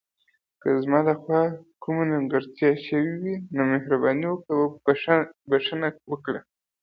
که زما له خوا کومه نیمګړتیا شوې وي، مهرباني وکړئ بښنه وکړئ.